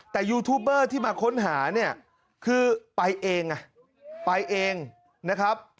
แต่ยูทูบเบอร์ที่มาค้นหาเนี่ยคือไปเองไปเองนะครับ